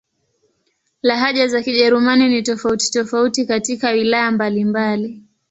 Lahaja za Kijerumani ni tofauti-tofauti katika wilaya mbalimbali.